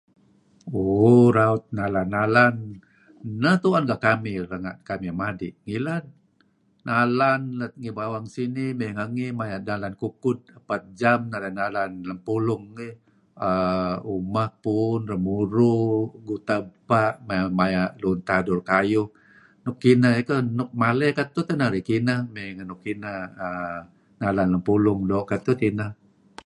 Uuh raut nalan-nalan. Neh tu'en kekamih renga' kamih madi' ngilad, Nalan let ngi bawang sinih mey ngengih maya' dalan kukud epat jam narih nalan lem pulung ngih, err umak puun, remuru, guta ebpa' maya' lun tadur kayuh nuk kineh koh, maley ketuh teh narih kineh nalan lem pulung, doo ketuh tineh.